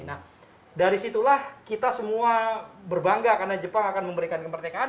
nah dari situlah kita semua berbangga karena jepang akan memberikan kemerdekaan